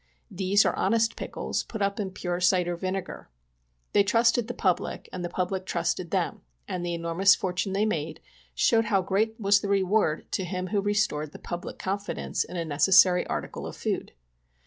These are honest pickles, put up in pure cider vinegar." They trusted the public and the public trusted them, and the enormous fortune they made showed how great was the reward to him who restored the public confidence in a necessary article of food.